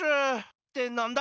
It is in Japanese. ってなんだ？